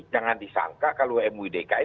jangan disangka kalau mui dki